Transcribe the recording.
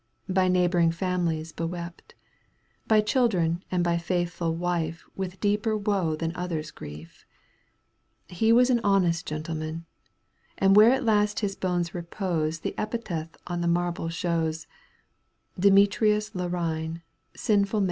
By neighbouring families bewept. By children and by faithful wife With deeper woe than others' grief. He was an honest gentleman. And where at last his bones repose The epitaph on marble shows : DemetrivA Zarine, sinful шащ Digitized by VjOOQ 1С CANTO П.